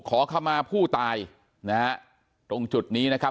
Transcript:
ขอขมาผู้ตายนะฮะตรงจุดนี้นะครับ